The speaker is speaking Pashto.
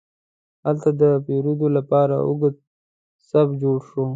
هلته د پیرود لپاره اوږد صف جوړ شو.